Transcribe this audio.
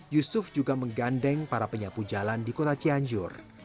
yusuf juga menggandeng para penyapu jalan di kota cianjur